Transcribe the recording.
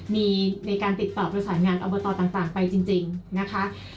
มีในการติดต่อประสานงานอบตต่างไปจริงนะคะ